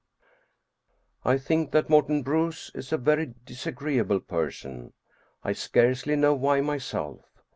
I think that Morten Bruus a very disagreeable person I scarcely know why myself.